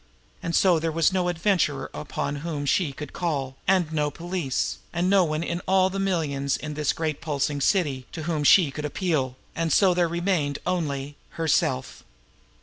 And so there was no Adventurer upon whom she could call, and no police, and no one in all the millions in this great pulsing city to whom she could appeal; and so there remained only herself.